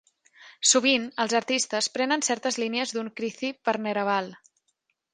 Sovint, els artistes prenen certes línies d'un Krithi per "neraval".